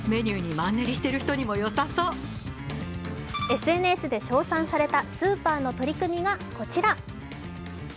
ＳＮＳで称賛されたスーパーの取り組みがこちら。